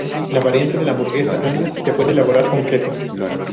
La variante de la hamburguesa angus se puede elaborar con queso.